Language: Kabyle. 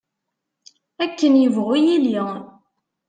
Akken ibɣu yilli.